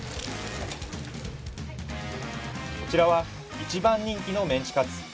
こちらは一番人気のメンチカツ。